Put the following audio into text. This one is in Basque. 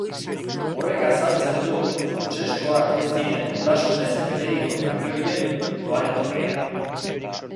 Horrek azaltzen du funtsezkoak ez diren ondasunez beteriko kamioien joanetorria.